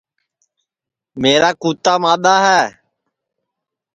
میرا کُوتا مادؔاہے